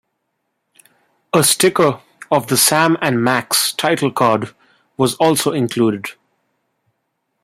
A sticker of the Sam and Max title card was also included.